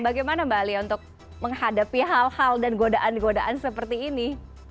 bagaimana mbak alia untuk menghadapi hal hal dan godaan godaan seperti ini